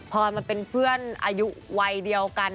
พอยมันเป็นเพื่อนอายุวัยเดียวกัน